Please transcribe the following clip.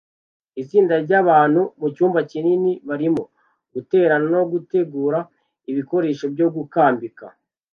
Itsinda ryabantu mucyumba kinini barimo guterana no gutegura ibikoresho byo gukambika